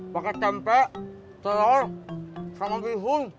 pakai tempe telur sama bihun